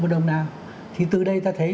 một đồng nào thì từ đây ta thấy